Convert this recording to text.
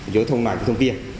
giữa thông loại của thông kia